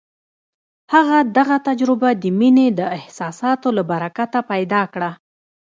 هغه دغه تجربه د مينې د احساساتو له برکته پيدا کړه.